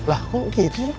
lah kok gitu